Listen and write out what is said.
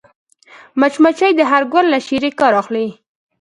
مچمچۍ د هر ګل له شيرې کار اخلي